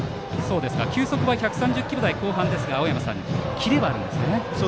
球速は１３０キロ台後半ですがキレはあるんですね。